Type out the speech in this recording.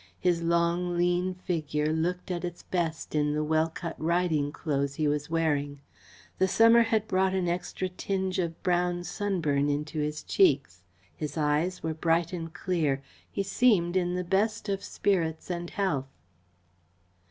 His long, lean figure looked at its best in the well cut riding clothes he was wearing. The summer had brought an extra tinge of brown sunburn into his cheeks. His eyes were bright and clear. He seemed in the best of spirits and health.